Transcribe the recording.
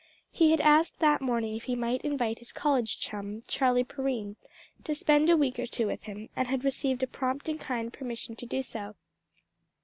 He had asked that morning if he might invite his college chum, Charlie Perrine, to spend a week or two with him, and had received a prompt and kind permission to do so.